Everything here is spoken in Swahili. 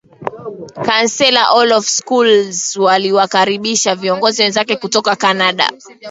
Kansela Olaf Scholz aliwakaribisha viongozi wenzake kutoka Canada